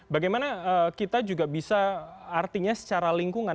bagaimana kita juga bisa artinya secara lingkungan